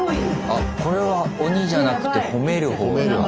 あこれは鬼じゃなくて褒める方だ。